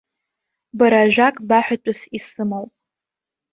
Бара ажәак баҳәатәыс исымоуп.